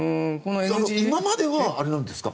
今まではあれなんですか？